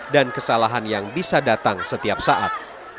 dan kesalahan yang bisa datang setiap saat